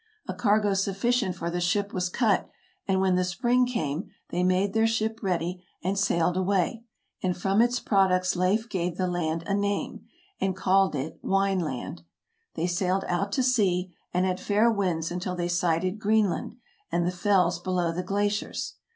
A cargo sufficient for the ship was cut, and when the spring came they made their ship ready, and sailed away ; and from its products Leif gave the land a name, and called it Wineland. They sailed out to sea, and had fair winds until they sighted Greenland and the fells below the glaciers.